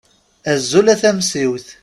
Azul a Tamsiwt.